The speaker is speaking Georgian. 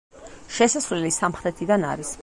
შესასვლელი სამხრეთიდან არის.